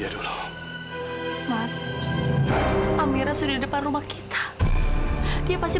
ini demi keselamatannya amira anak kita